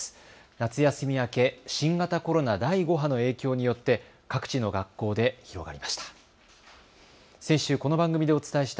夏休み明け、新型コロナ第５波の影響によって各地の学校で広がりました。